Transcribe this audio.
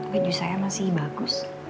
baju saya masih bagus